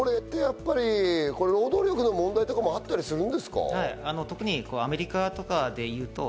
労働力の問題とかもあったりするんですか？